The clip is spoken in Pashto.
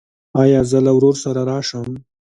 ایا زه له ورور سره راشم؟